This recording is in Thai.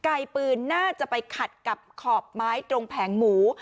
ไกลปืนน่าจะไปขัดกับขอบไม้ตรงแผงหมู